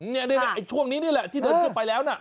นี่นะช่วงนี้นี่แหละที่เดินขึ้นไปแล้วนะ